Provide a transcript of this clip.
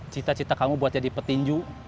cita cita kamu buat jadi petinju